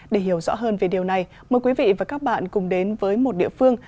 để hiểu rõ hơn về điều này mời quý vị và các bạn cùng đến với một địa phương